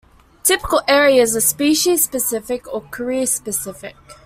Typical areas are species-specific or career-specific.